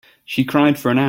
She cried for an hour.